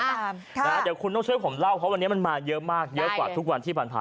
เดี๋ยวคุณต้องช่วยผมเล่าเพราะวันนี้มันมาเยอะมากเยอะกว่าทุกวันที่ผ่านมา